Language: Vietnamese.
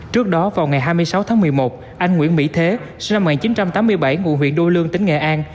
trước đó vào ngày hai mươi sáu tháng một mươi một anh nguyễn mỹ thế sinh năm một nghìn chín trăm tám mươi bảy ngụ huyện đô lương tỉnh nghệ an